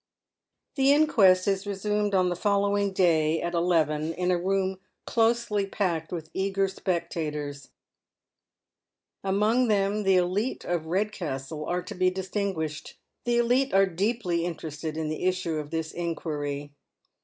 The inquest is resumed on the following day at eleven, in a room closely packed with eager spectators, among whom the elite of Eedcastle are to bs distinguished. The ^lite are deeply interested in the issue of this inquiry.